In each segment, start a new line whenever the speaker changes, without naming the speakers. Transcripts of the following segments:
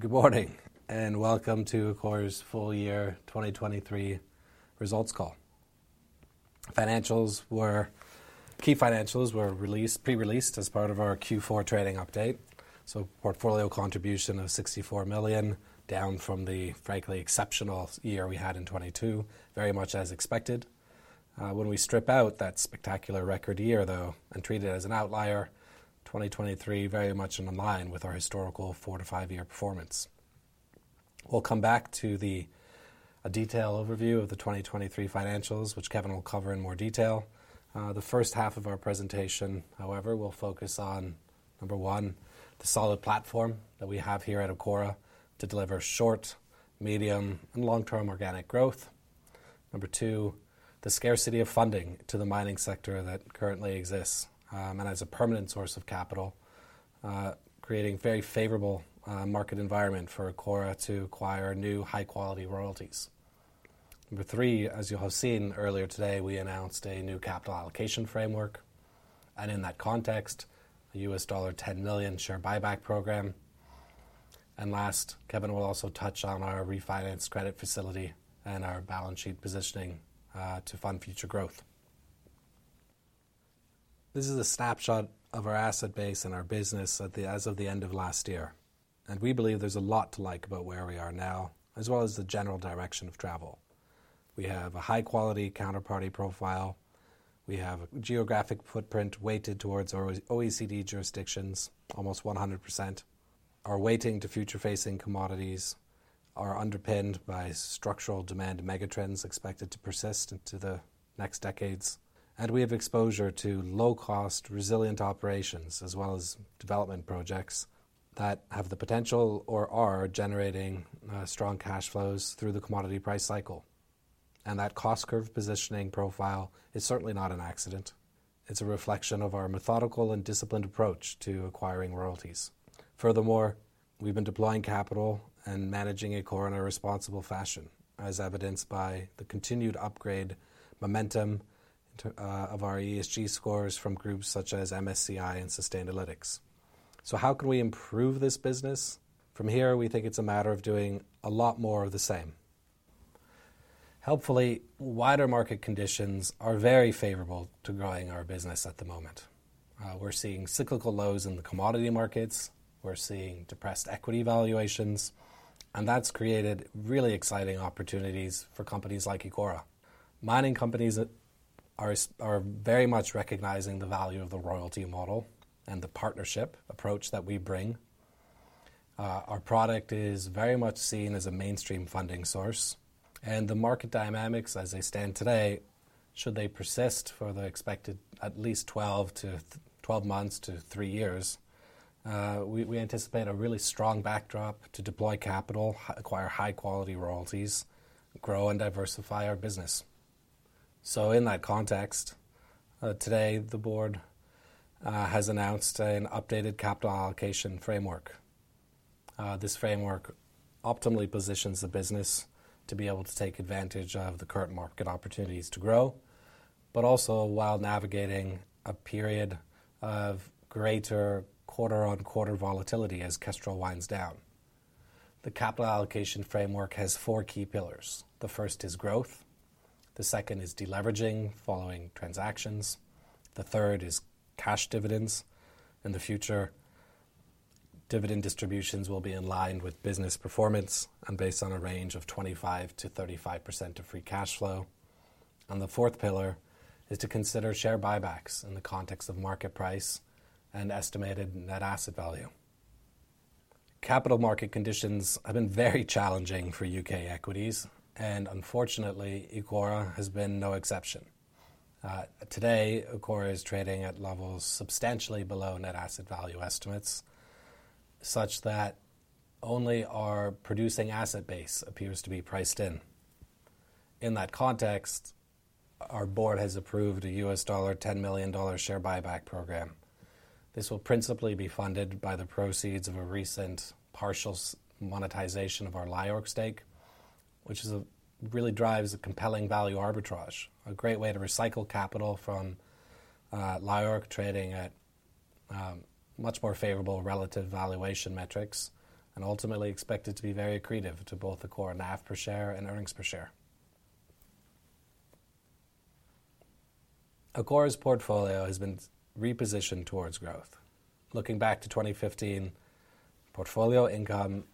Good morning and welcome to Ecora's Full Year 2023 Results Call. Key financials were pre-released as part of our Q4 trading update, so portfolio contribution of $64 million down from the frankly exceptional year we had in 2022, very much as expected. When we strip out that spectacular record year though and treat it as an outlier, 2023 very much in line with our historical four to five-year performance. We'll come back to the detailed overview of the 2023 financials, which Kevin will cover in more detail. The first half of our presentation, however, will focus on, number one, the solid platform that we have here at Ecora to deliver short-, medium-, and long-term organic growth. Number two, the scarcity of funding to the mining sector that currently exists and as a permanent source of capital, creating very favorable market environment for Ecora to acquire new high quality royalties. Number three, as you have seen earlier today, we announced a new capital allocation framework and in that context, a $10 million share buyback program. Last, Kevin will also touch on our refinance credit facility and our balance sheet positioning to fund future growth. This is a snapshot of our asset base and our business as of the end of last year. We believe there's a lot to like about where we are now, as well as the general direction of travel. We have a high quality counterparty profile. We have a geographic footprint weighted towards our OECD jurisdictions, almost 100%. Our weighting to future facing commodities are underpinned by structural demand megatrends expected to persist into the next decades. We have exposure to low cost resilient operations, as well as development projects that have the potential or are generating strong cash flows through the commodity price cycle. That cost curve positioning profile is certainly not an accident. It's a reflection of our methodical and disciplined approach to acquiring royalties. Furthermore, we've been deploying capital and managing Ecora in a responsible fashion, as evidenced by the continued upgrade momentum of our ESG scores from groups such as MSCI and Sustainalytics. How can we improve this business? From here, we think it's a matter of doing a lot more of the same. Helpfully, wider Market conditions are very favorable to growing our business at the moment. We're seeing cyclical lows in the commodity markets. We're seeing depressed equity valuations. And that's created really exciting opportunities for companies like Ecora. Mining companies are very much recognizing the value of the royalty model and the partnership approach that we bring. Our product is very much seen as a mainstream funding source. The Market dynamics as they stand today, should they persist for the expected 12 months to 3 years, we anticipate a really strong backdrop to deploy capital, acquire high quality royalties, grow and diversify our business. In that context, today the board has announced an updated capital allocation framework. This framework optimally positions the business to be able to take advantage of the current Market opportunities to grow, but also while navigating a period of greater quarter-on-quarter volatility as Kestrel winds down. The capital allocation framework has four key pillars. The first is growth. The second is deleveraging following transactions. The third is cash dividends in the future. Dividend distributions will be in line with business performance and based on a range of 25% to 35% of free cash flow. The fourth pillar is to consider share buybacks in the context of Market price and estimated net asset value. Capital Market conditions have been very challenging for UK equities and unfortunately Ecora has been no exception. Today, Ecora is trading at levels substantially below net asset value estimates, such that only our producing asset base appears to be priced in. In that context, our board has approved a $10 million share buyback program. This will principally be funded by the proceeds of a recent partial monetization of our LIORC stake, which really drives a compelling value arbitrage, a great way to recycle capital from LIORC trading at much more favorable relative valuation metrics and ultimately expected to be very accretive to both Ecora NAV per share and earnings per share. Ecora's portfolio has been repositioned towards growth. Looking back to 2015, portfolio income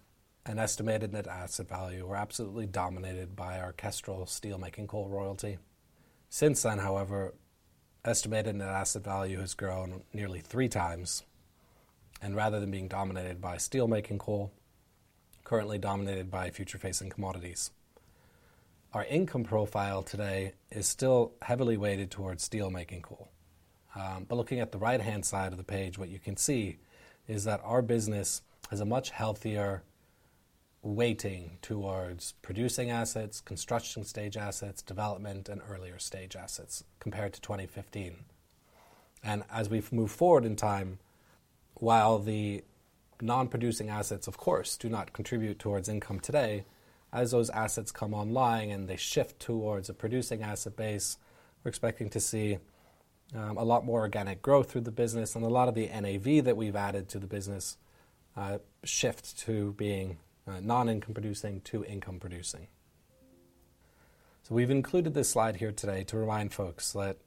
and estimated net asset value were absolutely dominated by our Kestrel steelmaking coal royalty. however, estimated net asset value has grown nearly 3x and rather than being dominated by steelmaking coal, currently dominated by future facing commodities. Our income profile today is still heavily weighted towards steelmaking coal. Looking at the right hand side of the page, what you can see is that our business has a much healthier weighting towards producing assets, construction stage assets, development, and earlier stage assets compared to 2015. As we've moved forward in time, while the non producing assets, of course, do not contribute towards income today, as those assets come online and they shift towards a producing asset base, we're expecting to see a lot more organic growth through the business and a lot of the NAV that we've added to the business shift to being non income producing to income producing. We've included this slide here today to remind folks that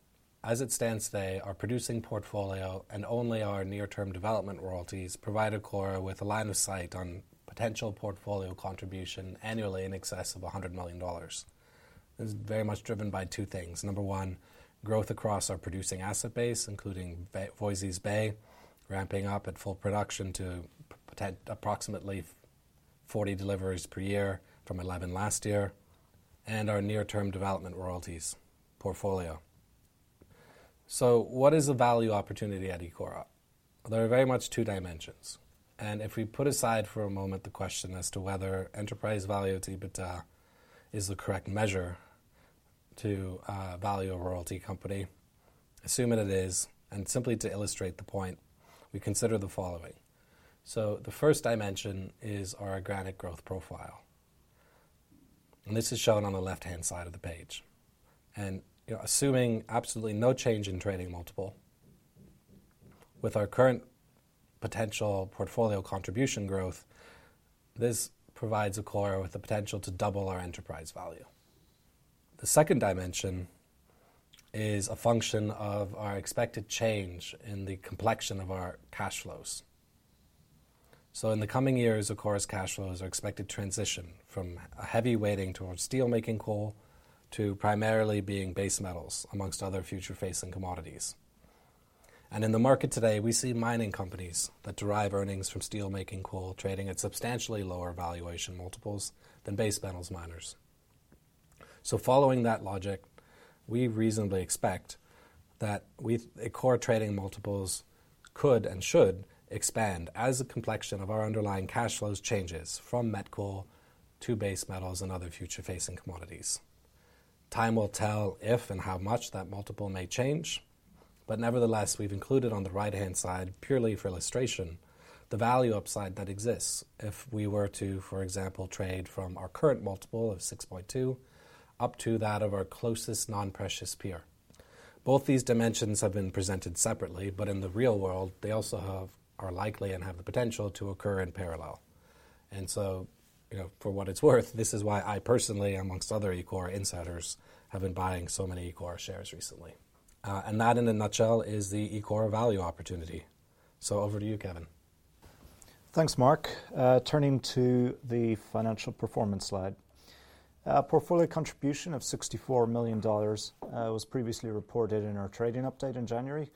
as it stands today, our producing portfolio and only our near term development royalties provide Ecora with a line of sight on potential portfolio contribution annually in excess of $100 million. This is very much driven by two things. Number one, growth across our producing asset base, including Voisey's Bay ramping up at full production to approximately 40 deliveries per year from 11 last year, and our near term development royalties portfolio. What is a value opportunity at Ecora? There are very much two dimensions. If we put aside for a moment the question as to whether enterprise value to EBITDA is the correct measure to value a royalty company, assume that it is. Simply to illustrate the point, we consider the following. The first dimension is our organic growth profile. This is shown on the left hand side of the page. Assuming absolutely no change in trading multiple with our current potential portfolio contribution growth, this provides Ecora with the potential to double our enterprise value. The second dimension is a function of our expected change in the complexion of our cash flows. So in the coming years, Ecora's cash flows are expected to transition from a heavy weighting towards steelmaking coal to primarily being base metals amongst other future facing commodities. In the Market today, we see mining companies that derive earnings from steelmaking coal trading at substantially lower valuation multiples than base metals miners. Following that logic, we reasonably expect that Ecora trading multiples could and should expand as the complexion of our underlying cash flows changes from met coal to base metals and other future facing commodities. Time will tell if and how much that multiple may change. But nevertheless, we've included on the right hand side purely for illustration the value upside that exists if we were to, for example, trade from our current multiple of 6.2 up to that of our closest non precious peer. Both these dimensions have been presented separately, but in the real world, they also are likely and have the potential to occur in parallel. For what it's worth, this is why I personally, amongst other Ecora insiders, have been buying so many Ecora shares recently. And that in a nutshell is the Ecora value opportunity. So over to you, Kevin.
Thanks, Marc. Turning to the financial performance slide. Portfolio contribution of $64 million was previously reported in our trading update in January.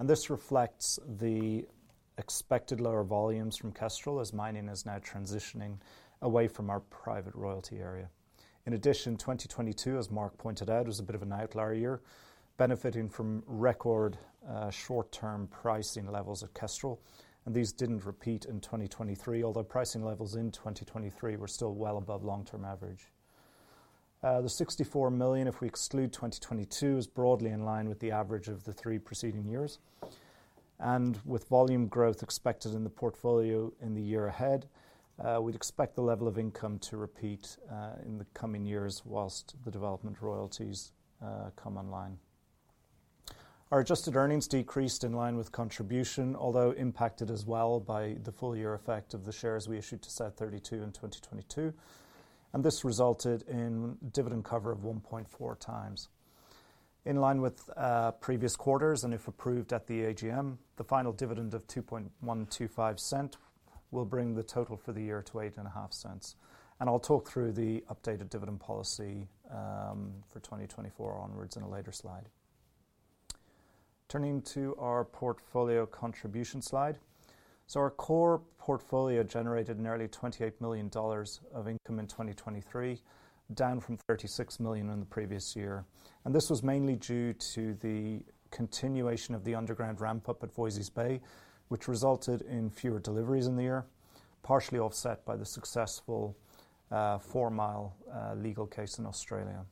This reflects the expected lower volumes from Kestrel as mining is now transitioning away from our private royalty area. In addition, 2022, as Marc pointed out, was a bit of an outlier year, benefiting from record short-term pricing levels at Kestrel. These didn't repeat in 2023, although pricing levels in 2023 were still well above long-term average. The $64 million, if we exclude 2022, is broadly in line with the average of the three preceding years. With volume growth expected in the portfolio in the year ahead, we'd expect the level of income to repeat in the coming years whilst the development royalties come online. Our adjusted earnings decreased in line with contribution, although impacted as well by the full year effect of the shares we issued to South32 in 2022. This resulted in dividend cover of 1.4 times in line with previous quarters. If approved at the AGM, the final dividend of $0.02125 will bring the total for the year to $0.085. I'll talk through the updated dividend policy for 2024 onwards in a later slide. Turning to our portfolio contribution slide. Our core portfolio generated nearly $28 million of income in 2023, down from $36 million in the previous year. This was mainly due to the continuation of the underground ramp up at Voisey's Bay, which resulted in fewer deliveries in the year, partially offset by the successful Four Mile legal case in Australia.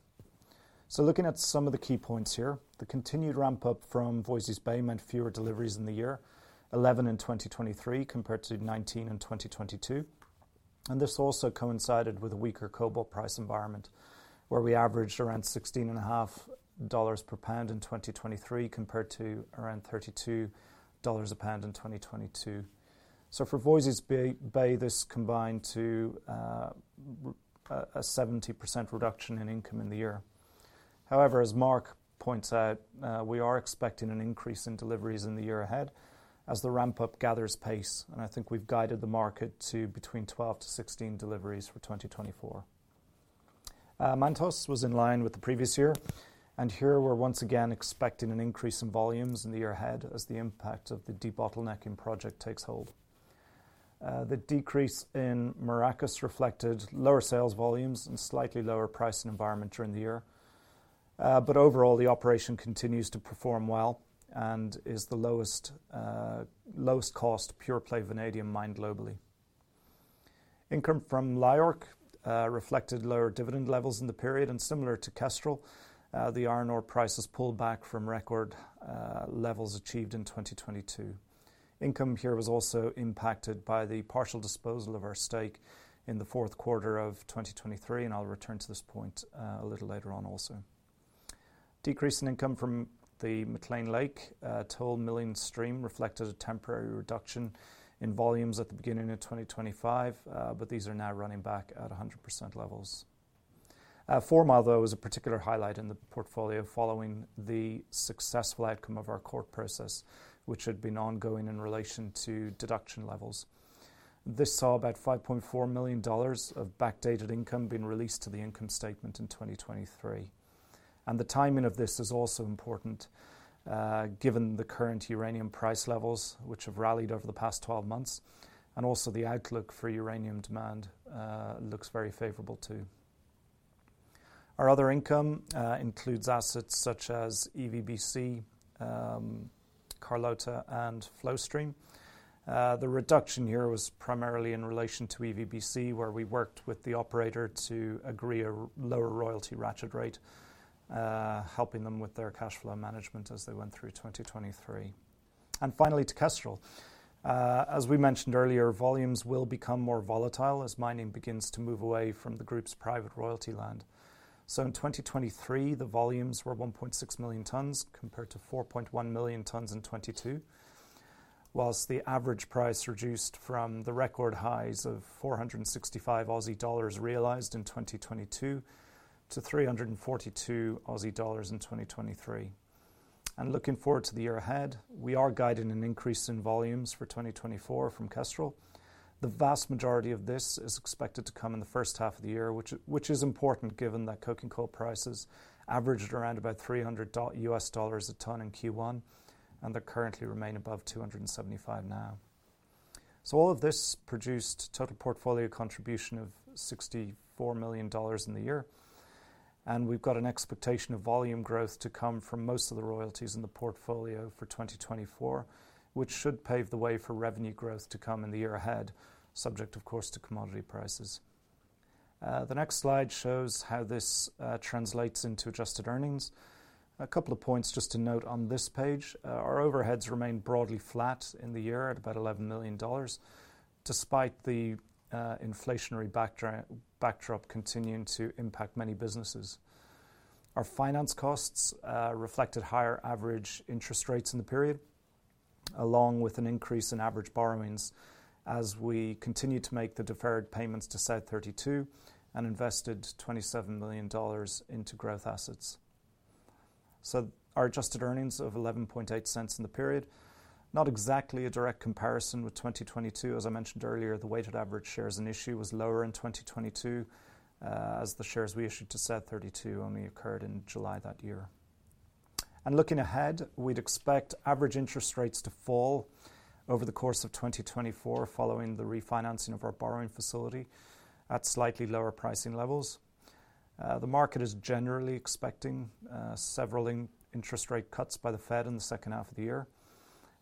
So looking at some of the key points here, the continued ramp up from Voisey's Bay meant fewer deliveries in the year, 11 in 2023 compared to 19 in 2022. And this also coincided with a weaker cobalt price environment, where we averaged around $16.5 per pound in 2023 compared to around $32 a pound in 2022. So for Voisey's Bay, this combined to a 70% reduction in income in the year. However, as Marc points out, we are expecting an increase in deliveries in the year ahead as the ramp up gathers pace. I think we've guided the Market to between 12 to 16 deliveries for 2024. Mantos was in line with the previous year. Here we're once again expecting an increase in volumes in the year ahead as the impact of the debottlenecking project takes hold. The decrease in Maracás reflected lower sales volumes and slightly lower pricing environment during the year. Overall, the operation continues to perform well and is the lowest cost pure play vanadium mined globally. Income from LIORC reflected lower dividend levels in the period and similar to Kestrel. The iron ore prices pulled back from record levels achieved in 2022. Income here was also impacted by the partial disposal of our stake in the fourth quarter of 2023. And I'll return to this point a little later on also. Decrease in income from the McClean Lake toll milling stream reflected a temporary reduction in volumes at the beginning of 2025. But these are now running back at 100% levels. Four Mile, though, is a particular highlight in the portfolio following the successful outcome of our court process, which had been ongoing in relation to deduction levels. This saw about $5.4 million of backdated income being released to the income statement in 2023. The timing of this is also important, given the current uranium price levels, which have rallied over the past 12 months. Also the outlook for uranium demand looks very favorable too. Our other income includes assets such as EVBC, Carlota, and Flowstream. The reduction here was primarily in relation to EVBC, where we worked with the operator to agree a lower royalty ratchet rate, helping them with their cash flow management as they went through 2023. Finally, to Kestrel. As we mentioned earlier, volumes will become more volatile as mining begins to move away from the group's private royalty land. In 2023, the volumes were 1.6 million tons compared to 4.1 million tons in 2022, while the average price reduced from the record highs of 465 Aussie dollars realized in 2022 to 342 Aussie dollars in 2023. And looking forward to the year ahead, we are guided an increase in volumes for 2024 from Kestrel. The vast majority of this is expected to come in the first half of the year, which is important given that coking coal prices averaged around about $300 a ton in Q1, and they currently remain above 275 now. So all of this produced total portfolio contribution of $64 million in the year. We've got an expectation of volume growth to come from most of the royalties in the portfolio for 2024, which should pave the way for revenue growth to come in the year ahead, subject, of course, to commodity prices. The next slide shows how this translates into adjusted earnings. A couple of points just to note on this page, our overheads remain broadly flat in the year at about $11 million, despite the inflationary backdrop continuing to impact many businesses. Our finance costs reflected higher average interest rates in the period, along with an increase in average borrowings as we continued to make the deferred payments to South32 and invested $27 million into growth assets. So our adjusted earnings of $0.118 in the period, not exactly a direct comparison with 2022. As I mentioned earlier, the weighted average shares in issue was lower in 2022, as the shares we issued to South32 only occurred in July that year. Looking ahead, we'd expect average interest rates to fall over the course of 2024 following the refinancing of our borrowing facility at slightly lower pricing levels. The Market is generally expecting several interest rate cuts by the Fed in the second half of the year.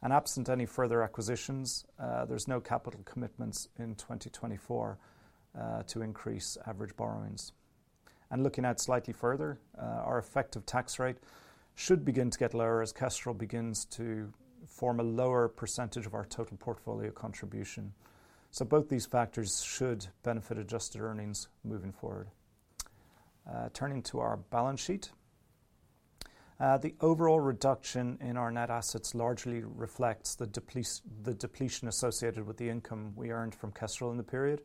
Absent any further acquisitions, there's no capital commitments in 2024 to increase average borrowings. Looking out slightly further, our effective tax rate should begin to get lower as Kestrel begins to form a lower percentage of our total portfolio contribution. Both these factors should benefit adjusted earnings moving forward. Turning to our balance sheet, the overall reduction in our net assets largely reflects the depletion associated with the income we earned from Kestrel in the period.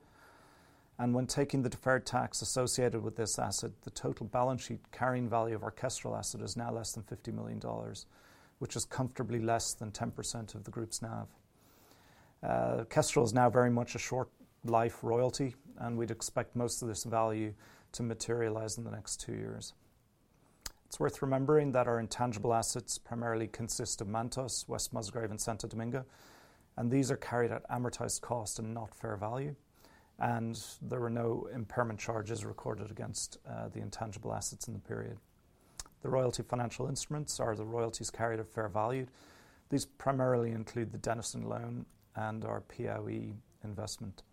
When taking the deferred tax associated with this asset, the total balance sheet carrying value of our Kestrel asset is now less than $50 million, which is comfortably less than 10% of the group's NAV. Kestrel is now very much a short life royalty. We'd expect most of this value to materialize in the next two years. It's worth remembering that our intangible assets primarily consist of Mantos, West Musgrave, and Santo Domingo. These are carried at amortized cost and not fair value. There were no impairment charges recorded against the intangible assets in the period. The royalty financial instruments are the royalties carried at fair value. These primarily include the Denison loan and our Piauí investment.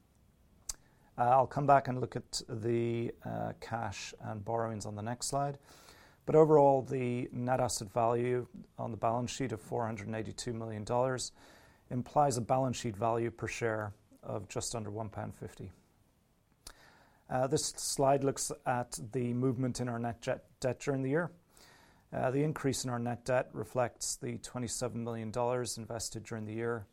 I'll come back and look at the cash and borrowings on the next slide. But overall, the net asset value on the balance sheet of $482 million implies a balance sheet value per share of just under 1.50 pound. This slide looks at the movement in our net debt during the year. The increase in our net debt reflects the $27 million invested during the year,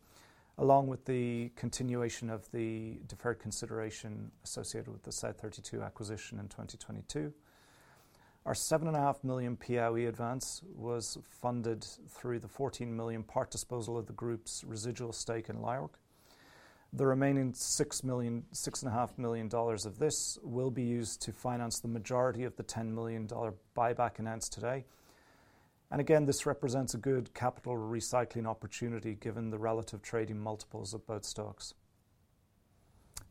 along with the continuation of the deferred consideration associated with the South32 acquisition in 2022. Our $7.5 million Piauí advance was funded through the $14 million part disposal of the group's residual stake in LIORC. The remaining $6.5 million of this will be used to finance the majority of the $10 million buyback announced today. And again, this represents a good capital recycling opportunity given the relative trading multiples of both stocks.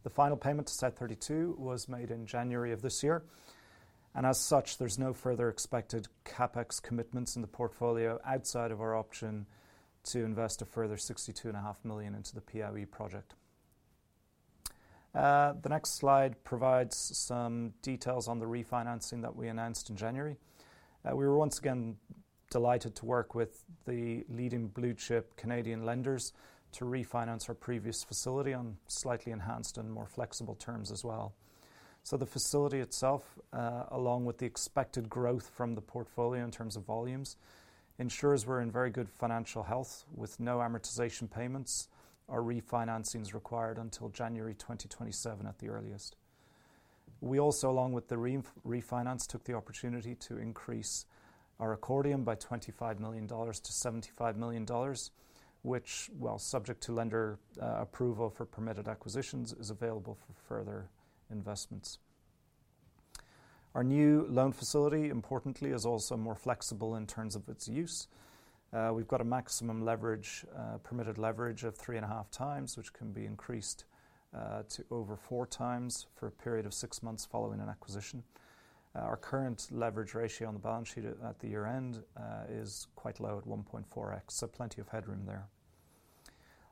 The final payment to South32 was made in January of this year. As such, there's no further expected CapEx commitments in the portfolio outside of our option to invest a further $62.5 million into the Piauí project. The next slide provides some details on the refinancing that we announced in January. We were once again delighted to work with the leading blue chip Canadian lenders to refinance our previous facility on slightly enhanced and more flexible terms as well. The facility itself, along with the expected growth from the portfolio in terms of volumes, ensures we're in very good financial health with no amortization payments. Our refinancing is required until January 2027 at the earliest. We also, along with the refinance, took the opportunity to increase our accordion by $25 million to $75 million, which, while subject to lender approval for permitted acquisitions, is available for further investments. Our new loan facility, importantly, is also more flexible in terms of its use. We've got a maximum leverage, permitted leverage of 3.5x, which can be increased to over 4x for a period of six months following an acquisition. Our current leverage ratio on the balance sheet at the year end is quite low at 1.4x, so plenty of headroom there.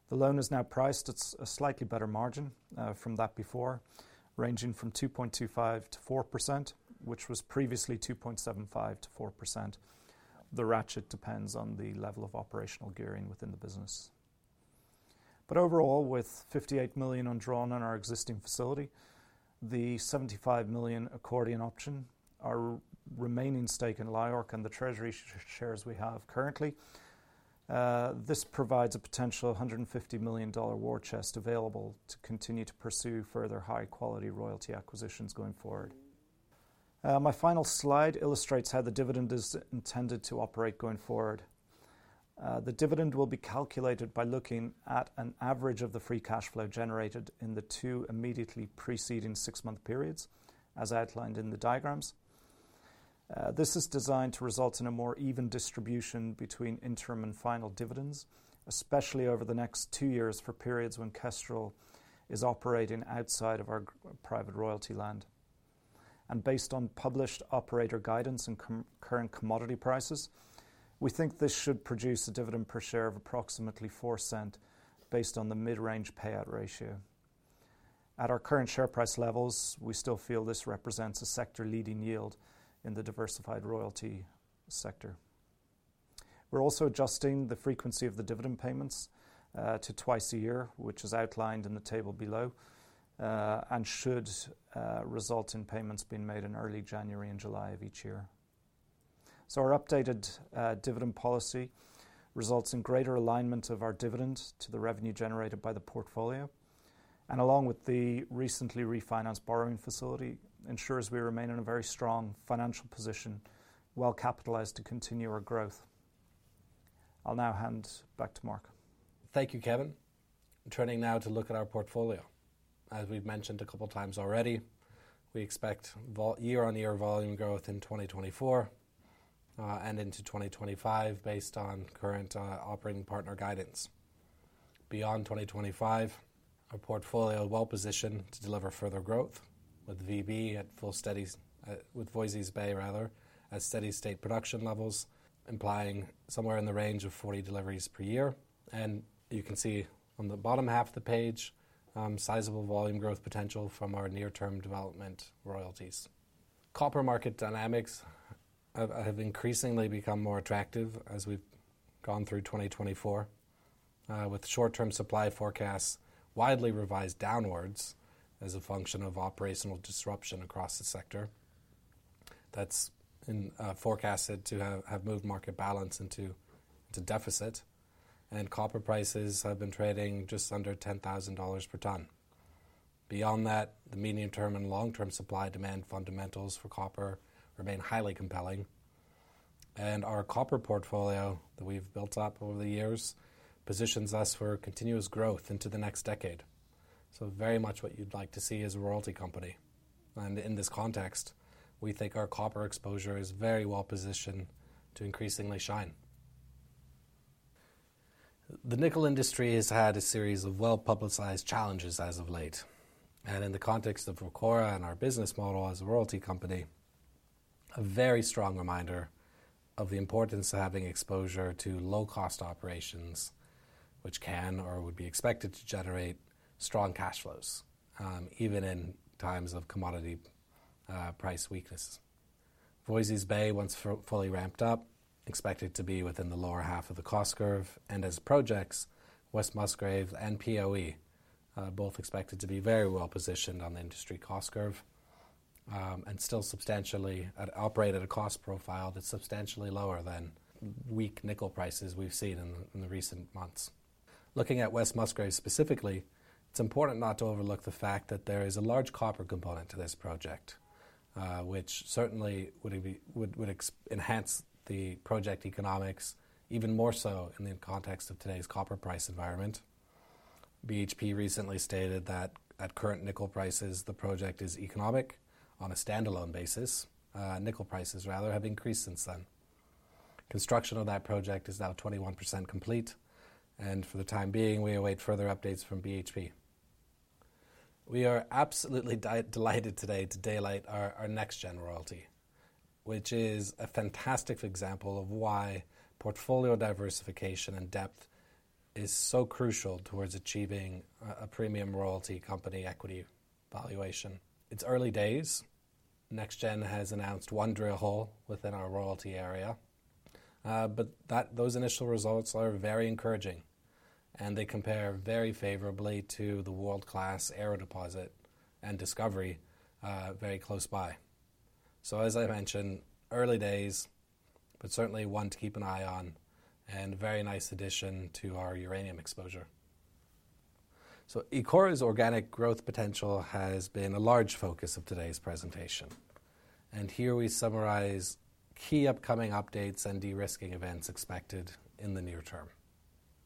The loan is now priced at a slightly better margin from that before, ranging from 2.25% to 4%, which was previously 2.75% to 4%. The ratchet depends on the level of operational gearing within the business. Overall, with $58 million undrawn on our existing facility, the $75 million accordion option, our remaining stake in LIORC, and the treasury shares we have currently, this provides a potential $150 million war chest available to continue to pursue further high-quality royalty acquisitions going forward. My final slide illustrates how the dividend is intended to operate going forward. The dividend will be calculated by looking at an average of the free cash flow generated in the two immediately preceding six-month periods, as outlined in the diagrams. This is designed to result in a more even distribution between interim and final dividends, especially over the next two years for periods when Kestrel is operating outside of our private royalty land. Based on published operator guidance and current commodity prices, we think this should produce a dividend per share of approximately $0.04 based on the mid-range payout ratio. At our current share price levels, we still feel this represents a sector leading yield in the diversified royalty sector. We're also adjusting the frequency of the dividend payments to twice a year, which is outlined in the table below, and should result in payments being made in early January and July of each year. Our updated dividend policy results in greater alignment of our dividend to the revenue generated by the portfolio. Along with the recently refinanced borrowing facility, ensures we remain in a very strong financial position, well capitalized to continue our growth. I'll now hand back to Marc.
Thank you, Kevin. Turning now to look at our portfolio. As we've mentioned a couple of times already, we expect year-on-year volume growth in 2024 and into 2025 based on current operating partner guidance. Beyond 2025, our portfolio is well positioned to deliver further growth with Voisey's Bay at full steady state production levels, implying somewhere in the range of 40 deliveries per year. You can see on the bottom half of the page, sizable volume growth potential from our near-term development royalties. Copper Market dynamics have increasingly become more attractive as we've gone through 2024, with short-term supply forecasts widely revised downwards as a function of operational disruption across the sector. That's forecasted to have moved Market balance into deficit. Copper prices have been trading just under $10,000 per ton. Beyond that, the medium-term and long-term supply demand fundamentals for copper remain highly compelling. Our copper portfolio that we've built up over the years positions us for continuous growth into the next decade. So very much what you'd like to see as a royalty company. And in this context, we think our copper exposure is very well positioned to increasingly shine. The nickel industry has had a series of well publicized challenges as of late. In the context of Ecora and our business model as a royalty company, a very strong reminder of the importance of having exposure to low cost operations, which can or would be expected to generate strong cash flows, even in times of commodity price weaknesses. Voisey's Bay, once fully ramped up, expected to be within the lower half of the cost curve. As projects, West Musgrave and Piauí, both expected to be very well positioned on the industry cost curve and still substantially operate at a cost profile that's substantially lower than weak nickel prices we've seen in the recent months. Looking at West Musgrave specifically, it's important not to overlook the fact that there is a large copper component to this project, which certainly would enhance the project economics, even more so in the context of today's copper price environment. BHP recently stated that at current nickel prices, the project is economic on a standalone basis. Nickel prices, rather, have increased since then. Construction of that project is now 21% complete. For the time being, we await further updates from BHP. We are absolutely delighted today to daylight our NextGen royalty, which is a fantastic example of why portfolio diversification and depth is so crucial towards achieving a premium royalty company equity valuation. It's early days. NextGen has announced 1 drill hole within our royalty area. But those initial results are very encouraging. They compare very favorably to the world-class Arrow deposit and discovery very close by. So as I mentioned, early days, but certainly one to keep an eye on and very nice addition to our uranium exposure. So Ecora's organic growth potential has been a large focus of today's presentation. And here we summarize key upcoming updates and de-risking events expected in the near term.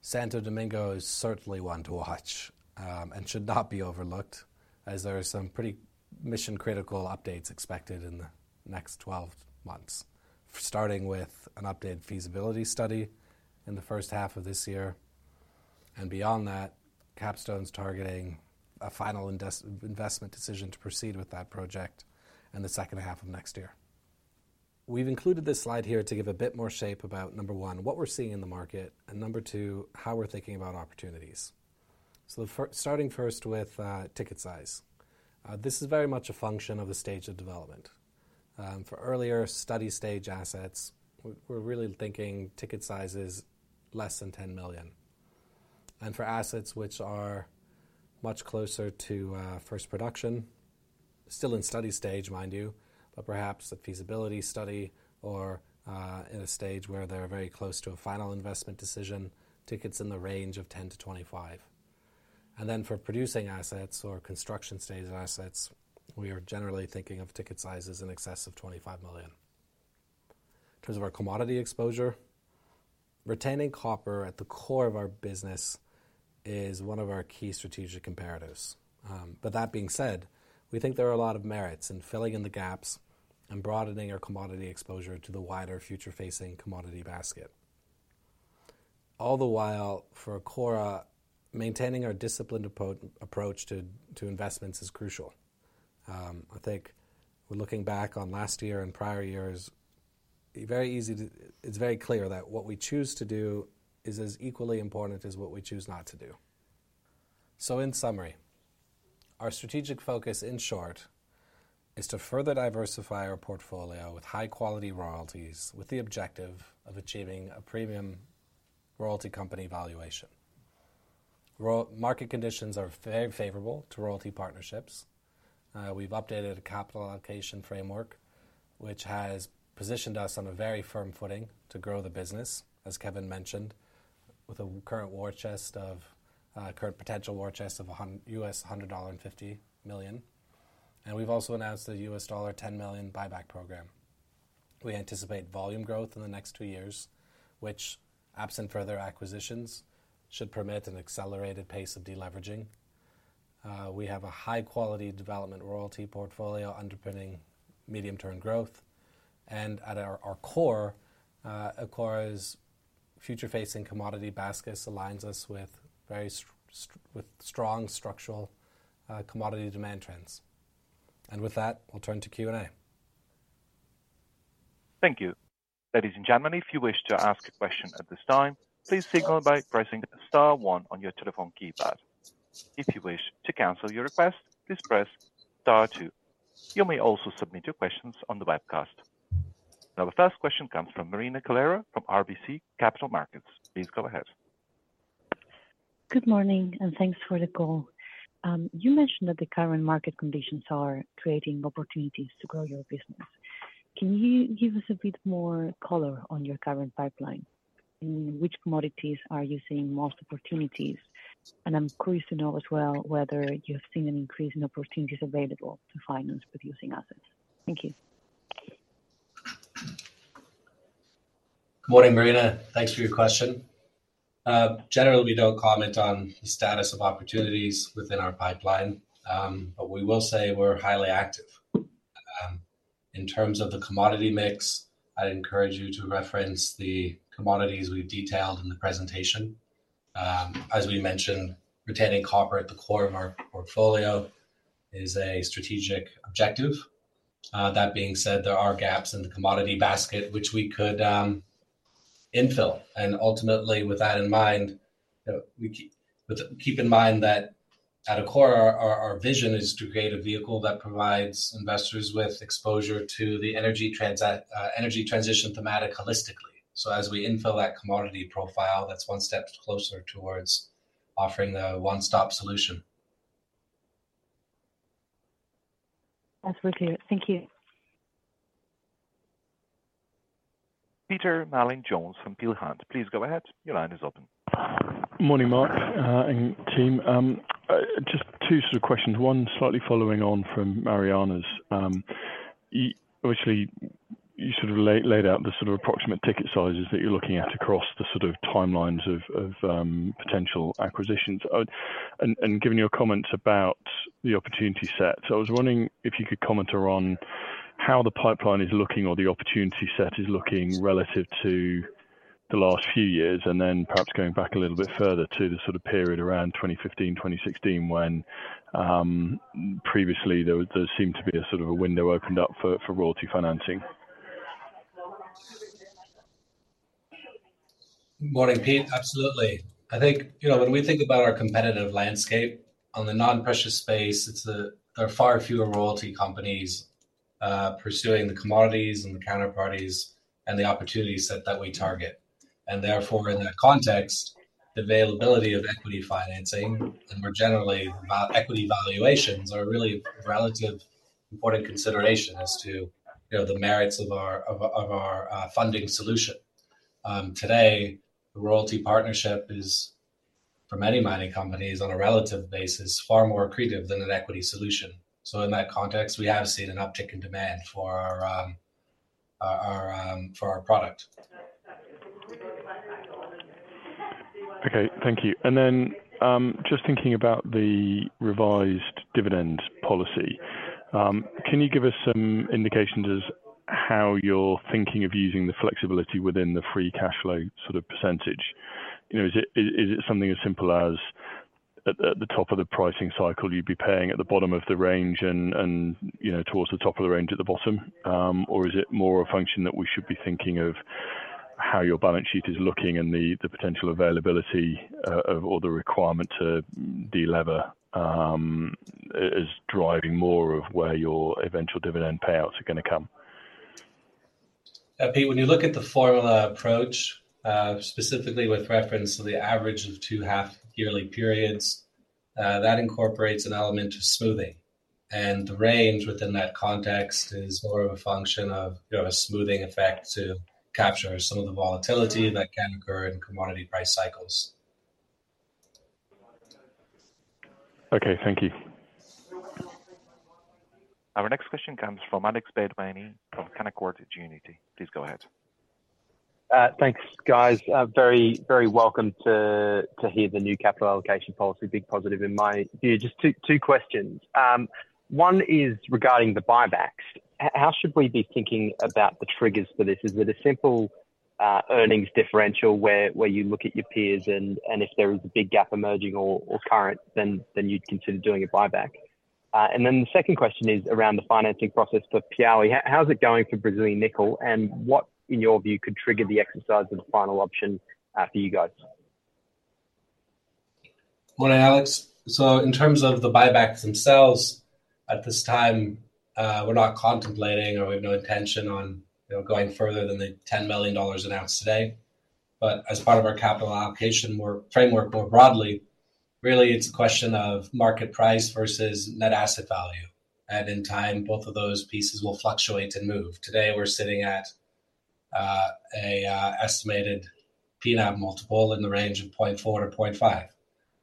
Santo Domingo is certainly one to watch and should not be overlooked, as there are some pretty mission critical updates expected in the next 12 months, starting with an updated feasibility study in the first half of this year. And beyond that, Capstone's targeting a final investment decision to proceed with that project in the second half of next year. We've included this slide here to give a bit more shape about, number 1, what we're seeing in the Market. And number two, how we're thinking about opportunities. So starting first with ticket size. This is very much a function of the stage of development. For earlier study stage assets, we're really thinking ticket size is less than $10 million. And for assets which are much closer to first production, still in study stage, mind you, but perhaps a feasibility study or in a stage where they're very close to a final investment decision, tickets in the range of $10 million to 25 million. for producing assets or construction stage assets, we are generally thinking of ticket sizes in excess of $25 million. In terms of our commodity exposure, retaining copper at the core of our business is one of our key strategic comparatives. But that being said, we think there are a lot of merits in filling in the gaps and broadening our commodity exposure to the wider future facing commodity basket. All the while, for Ecora, maintaining our disciplined approach to investments is crucial. I think looking back on last year and prior years, it's very clear that what we choose to do is as equally important as what we choose not to do. So in summary, our strategic focus, in short, is to further diversify our portfolio with high quality royalties with the objective of achieving a premium royalty company valuation. Market conditions are very favorable to royalty partnerships. We've updated a capital allocation framework, which has positioned us on a very firm footing to grow the business, as Kevin mentioned, with a current potential war chest of $100.50 million. we've also announced the $10 million buyback program. We anticipate volume growth in the next two years, which, absent further acquisitions, should permit an accelerated pace of deleveraging. We have a high quality development royalty portfolio underpinning medium term growth. At our core, Ecora's future-facing commodity baskets aligns us with very strong structural commodity demand trends. With that, I'll turn to Q&A.
Thank you. Ladies and gentlemen, if you wish to ask a question at this time, please signal by pressing star one on your telephone keypad. If you wish to cancel your request, please press star two. You may also submit your questions on the webcast. Now, the first question comes from Marina Calero from RBC Capital Markets. Please go ahead.
Good morning. Thanks for the call. You mentioned that the current Market conditions are creating opportunities to grow your business. Can you give us a bit more color on your current pipeline? In which commodities are you seeing most opportunities? I'm curious to know as well whether you have seen an increase in opportunities available to finance producing assets. Thank you.
Morning, Marina. Thanks for your question. Generally, we don't comment on the status of opportunities within our pipeline. But we will say we're highly active. In terms of the commodity mix, I'd encourage you to reference the commodities we've detailed in the presentation. As we mentioned, retaining copper at the core of our portfolio is a strategic objective. That being said, there are gaps in the commodity basket, which we could infill. And ultimately, with that in mind, keep in mind that at Ecora, our vision is to create a vehicle that provides investors with exposure to the energy transition thematic holistically. So as we infill that commodity profile, that's one step closer towards offering the one stop solution.
That's with you. Thank you.
Peter Mallin-Jones from Peel Hunt. Please go ahead. Your line is open.
Morning, Marc and team. Just two sort of questions. One, slightly following on from Marina's. Obviously, you sort of laid out the sort of approximate ticket sizes that you're looking at across the sort of timelines of potential acquisitions. Given your comments about the opportunity set, I was wondering if you could comment on how the pipeline is looking or the opportunity set is looking relative to the last few years, and then perhaps going back a little bit further to the sort of period around 2015, 2016, when previously there seemed to be a sort of a window opened up for royalty financing.
Morning, Pete. Absolutely. I think when we think about our competitive landscape on the non-precious space, there are far fewer royalty companies pursuing the commodities and the counterparties and the opportunities that we target. Therefore, in that context, the availability of equity financing and more generally, equity valuations are really a relatively important consideration as to the merits of our funding solution. Today, the royalty partnership is, for many mining companies on a relative basis, far more creative than an equity solution. In that context, we have seen an uptick in demand for our product.
Okay. Thank you. Just thinking about the revised dividend policy, can you give us some indications as how you're thinking of using the flexibility within the free cash flow sort of percentage? Is it something as simple as at the top of the pricing cycle, you'd be paying at the bottom of the range and towards the top of the range at the bottom? Or is it more a function that we should be thinking of how your balance sheet is looking and the potential availability or the requirement to delever is driving more of where your eventual dividend payouts are going to come?
Pete, when you look at the formula approach, specifically with reference to the average of two half yearly periods, that incorporates an element of smoothing. The range within that context is more of a function of a smoothing effect to capture some of the volatility that can occur in commodity price cycles.
Okay. Thank you.
Our next question comes from Alex Bedwany from Canaccord Genuity. Please go ahead.
Thanks, guys. Very, very welcome to hear the new capital allocation policy. Big positive in my view. Just two questions. One is regarding the buybacks. How should we be thinking about the triggers for this? Is it a simple earnings differential where you look at your peers and if there is a big gap emerging or current, then you'd consider doing a buyback? The second question is around the financing process for Piauí. How's it going for Brazilian Nickel? What, in your view, could trigger the exercise of the final option for you guys?
Morning, Alex. In terms of the buybacks themselves, at this time, we're not contemplating or we have no intention on going further than the $10 million announced today. As part of our capital allocation framework more broadly, really, it's a question of Market price versus net asset value. And in time, both of those pieces will fluctuate and move. Today, we're sitting at an estimated P/NAV multiple in the range of 0.4 to 0.5.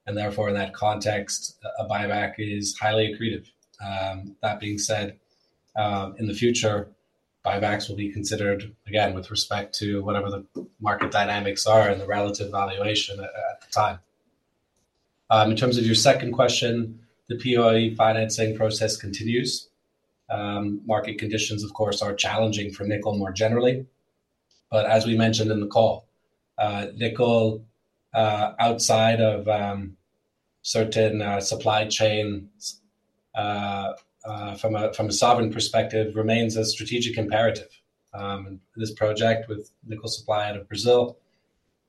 And therefore, in that context, a buyback is highly accretive. That being said, in the future, buybacks will be considered, again, with respect to whatever the Market dynamics are and the relative valuation at the time. In terms of your second question, the Piauí financing process continues. Market conditions, of course, are challenging for nickel more generally. But as we mentioned in the call, nickel outside of certain supply chains, from a sovereign perspective, remains a strategic imperative. This project with nickel supply out of Brazil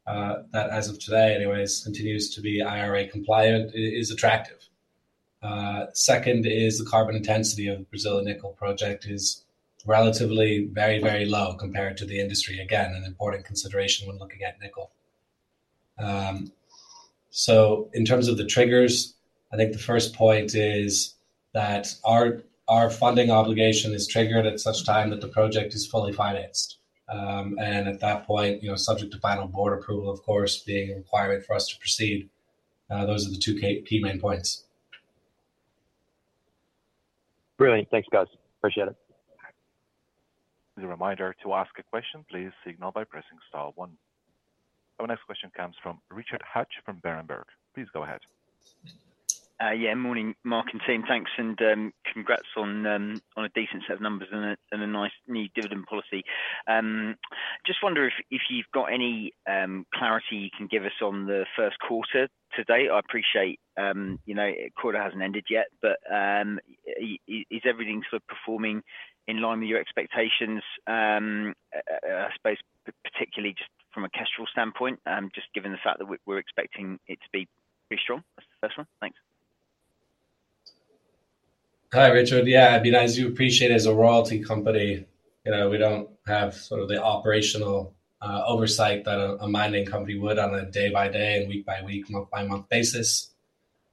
that, as of today, anyways, continues to be IRA compliant is attractive. Second is the carbon intensity of the Brazil nickel project is relatively very, very low compared to the industry. Again, an important consideration when looking at nickel. So in terms of the triggers, I think the first point is that our funding obligation is triggered at such time that the project is fully financed. And at that point, subject to final board approval, of course, being a requirement for us to proceed. Those are the two key main points.
Brilliant. Thanks, guys. Appreciate it. As a reminder, to ask a question, please signal by pressing star one. Our next question comes from Richard Hatch from Berenberg. Please go ahead.
Yeah. Morning, Marc and team. Thanks and congrats on a decent set of numbers and a nice new dividend policy. Just wonder if you've got any clarity you can give us on the first quarter today. I appreciate the quarter hasn't ended yet, but is everything sort of performing in line with your expectations, I suppose, particularly just from a Kestrel standpoint, just given the fact that we're expecting it to be pretty strong? That's the first one. Thanks.
Hi, Richard. As you appreciate, as a royalty company, we don't have sort of the operational oversight that a mining company would on a day by day and week by week, month by month basis.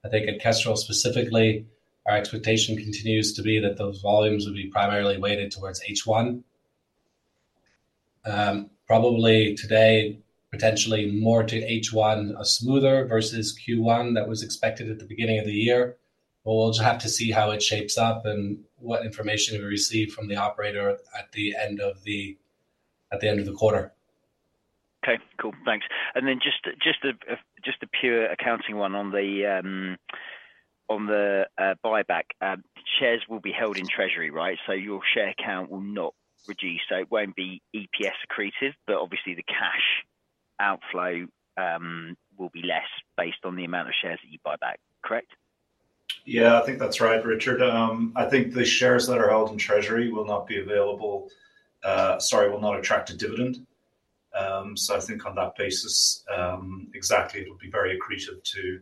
I think at Kestrel specifically, our expectation continues to be that those volumes would be primarily weighted towards H1. Probably today, potentially more to H1, a smoother versus Q1 that was expected at the beginning of the year. But we'll just have to see how it shapes up and what information we receive from the operator at the end of the quarter.
Okay. Cool. Thanks. And then just a pure accounting one on the buyback. Shares will be held in treasury, right? So your share account will not reduce. So it won't be EPS accretive, but obviously, the cash outflow will be less based on the amount of shares that you buy back, correct?
Yeah. I think that's right, Richard. I think the shares that are held in treasury will not be available, sorry, will not attract a dividend. I think on that basis, exactly, it'll be very accretive to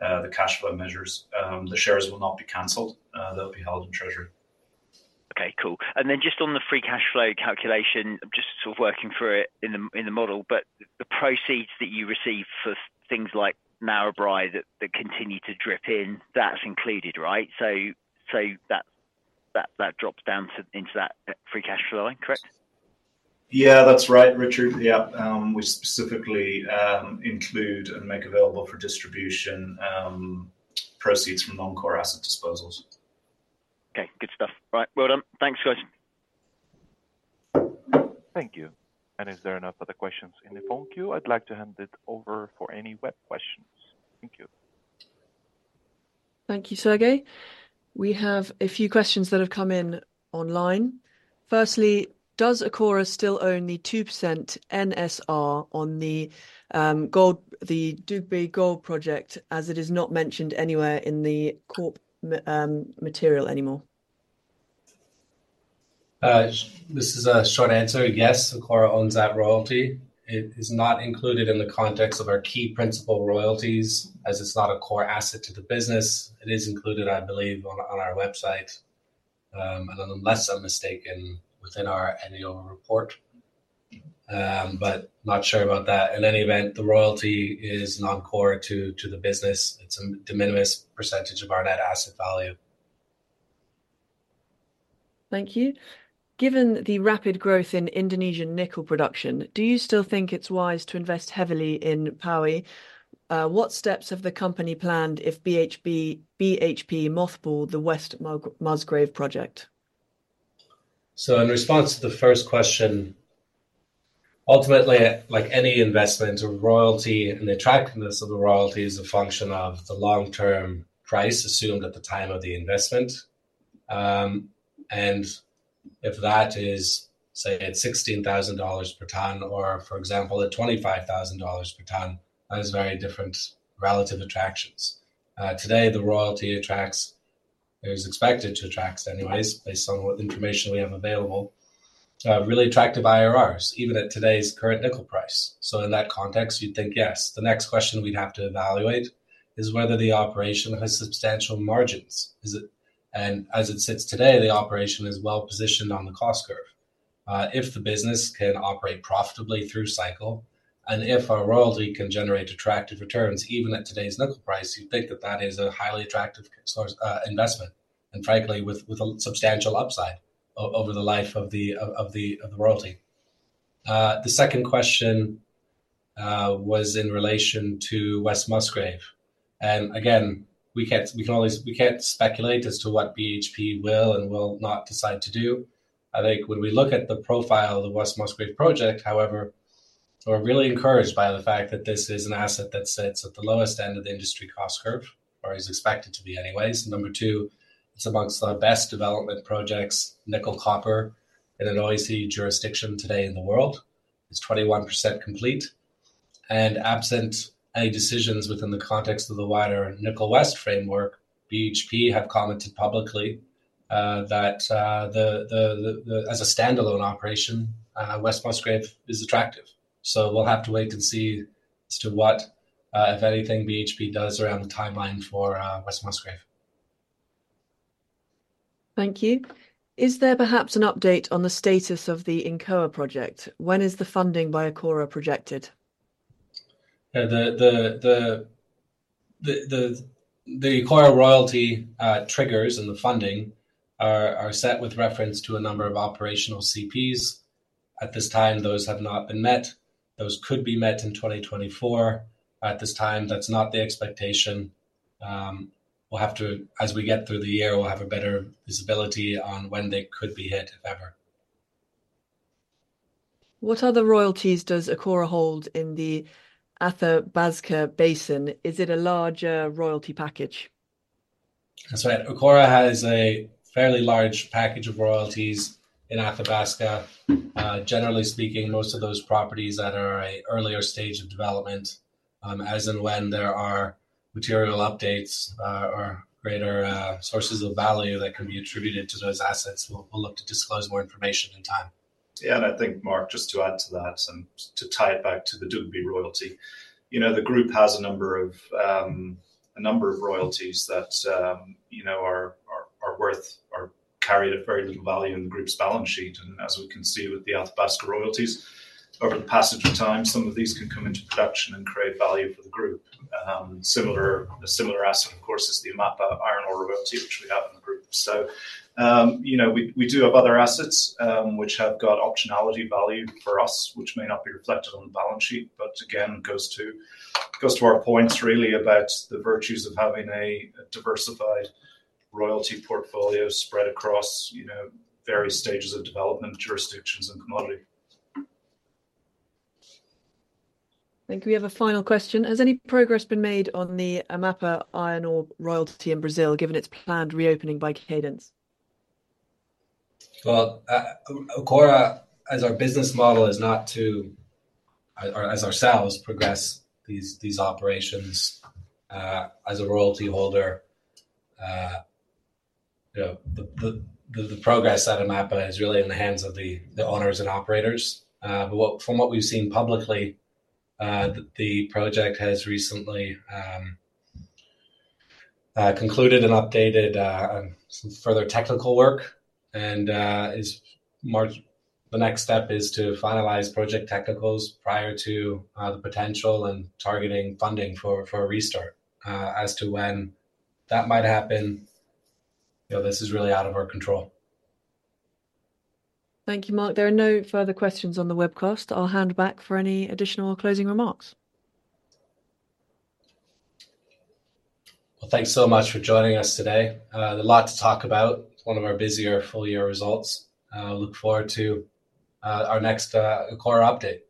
the cash flow measures. The shares will not be canceled. They'll be held in treasury.
Okay. Cool. Just on the free cash flow calculation, just sort of working through it in the model, but the proceeds that you receive for things like Narrabri that continue to drip in, that's included, right? That drops down into that free cash flow line, correct?
That's right, Richard. We specifically include and make available for distribution proceeds from non-core asset disposals.
Okay. Good stuff. Right. Well done. Thanks, guys.
Thank you. Is there enough other questions in the phone queue? I'd like to hand it over for any web questions. Thank you.
Thank you, Sergei. We have a few questions that have come in online. Firstly, does Ecora still own the 2% NSR on the Dubé Gold project as it is not mentioned anywhere in the corp material anymore?
This is a short answer. Yes, Ecora owns that royalty. It is not included in the context of our key principal royalties as it's not a core asset to the business. It is included, I believe, on our website. Unless I'm mistaken, within our annual report. Not sure about that. In any event, the royalty is non-core to the business. It's a de minimis percentage of our net asset value.
Thank you. Given the rapid growth in Indonesian nickel production, do you still think it's wise to invest heavily in Piauí? What steps have the company planned if BHP mothballed the West Musgrave project?
In response to the first question, ultimately, like any investment, the royalty and the attractiveness of the royalty is a function of the long-term price assumed at the time of the investment. If that is, say, at $16,000 per tonne or, for example, at $25,000 per tonne, that is very different relative attractions. Today, the royalty attracts or is expected to attract anyways, based on what information we have available, really attractive IRRs, even at today's current nickel price. In that context, you'd think, yes. The next question we'd have to evaluate is whether the operation has substantial margins. As it sits today, the operation is well positioned on the cost curve. If the business can operate profitably through cycle and if our royalty can generate attractive returns, even at today's nickel price, you'd think that that is a highly attractive investment. Frankly, with a substantial upside over the life of the royalty. The second question was in relation to West Musgrave. Again, we can't speculate as to what BHP will and will not decide to do. I think when we look at the profile of the West Musgrave project, however, we're really encouraged by the fact that this is an asset that sits at the lowest end of the industry cost curve or is expected to be anyways. Number two, it's amongst the best development projects, nickel copper, in an OECD jurisdiction today in the world. It's 21% complete. Absent any decisions within the context of the wider Nickel West framework, BHP have commented publicly that as a standalone operation, West Musgrave is attractive. We'll have to wait and see as to what, if anything, BHP does around the timeline for West Musgrave.
Thank you. Is there perhaps an update on the status of the Incoa project? When is the funding by Ecora projected?
The Ecora royalty triggers and the funding are set with reference to a number of operational CPs. At this time, those have not been met. Those could be met in 2024. At this time, that's not the expectation. We'll have to as we get through the year, we'll have a better visibility on when they could be hit, if ever.
What other royalties does Ecora hold in the Athabasca Basin? Is it a larger royalty package?
Ecora has a fairly large package of royalties in Athabasca. Generally speaking, most of those properties that are at an earlier stage of development, as and when there are material updates or greater sources of value that can be attributed to those assets, we'll look to disclose more information in time.
I think, Marc, just to add to that and to tie it back to the Dubé royalty, the group has a number of royalties that are worth or carried at very little value in the group's balance sheet. As we can see with the Athabasca royalties, over the passage of time, some of these can come into production and create value for the group. A similar asset, of course, is the Amapá iron ore royalty, which we have in the group. We do have other assets which have got optionality value for us, which may not be reflected on the balance sheet, but again, goes to our points, really, about the virtues of having a diversified royalty portfolio spread across various stages of development, jurisdictions, and commodity.
Thank you. We have a final question. Has any progress been made on the Amapá iron ore royalty in Brazil given its planned reopening by Cadence?
Well, Ecora, as our business model is not to operate or progress these operations ourselves as a royalty holder. The progress at Amapá is really in the hands of the owners and operators. From what we've seen publicly, the project has recently concluded and updated some further technical work. The next step is to finalize project technicals prior to potentially targeting funding for a restart. As to when that might happen, this is really out of our control.
Thank you, Marc. There are no further questions on the webcast. I'll hand back for any additional closing remarks.
Well, thanks so much for joining us today. A lot to talk about. It's one of our busier full-year results. Look forward to our next Ecora update.